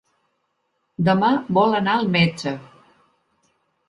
Demà vol anar al metge.